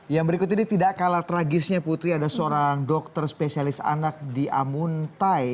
yang berikut ini tidak kalah tragisnya putri ada seorang dokter spesialis anak di amuntai